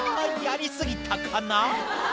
やり過ぎたかな？」